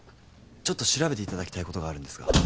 ちょっと調べていただきたいことがあるんですが。